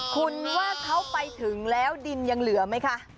คุณว่าเขาไปถึงแล้วดินยังเหลือไหมคะ